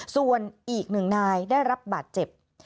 ส่วนอีก๑นายได้รับบาดเจ็บ